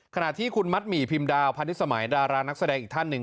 ขณะที่คุณมัดหมี่พิมดาวพาณิชสมัยดารานักแสดงอีกท่านหนึ่ง